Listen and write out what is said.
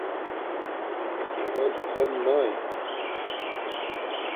موباݵل پسند ناݵے